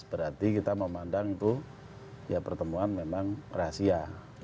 berarti kita memandang itu ya pertemuan memang rahasia